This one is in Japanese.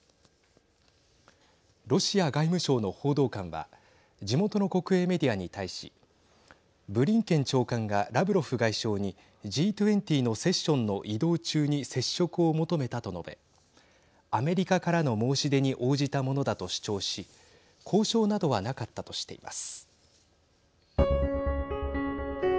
ロシア外務省の報道官は地元の国営メディアに対しブリンケン長官がラブロフ外相にＧ２０のセッションの移動中に接触を求めたと述べアメリカからの申し出に応じたものだと主張し交渉などはなかったとしています。